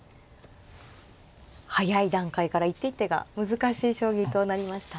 早い段階から一手一手が難しい将棋となりましたね。